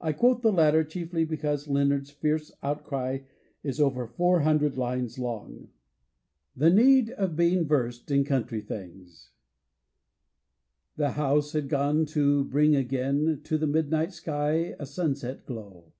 I quote the latter, chiefly because Leonard's fierce outcry is over four hundred lines long. 40 THE POEMS OF THE MONTH 41 THE NEED OF BEING VERSED IN COUNTRY THINGS The house had gone to bring again To the midnight sky a sanset glow.